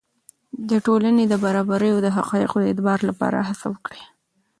د ټولنې د برابریو د حقایقو د اعتبار لپاره هڅه وکړئ.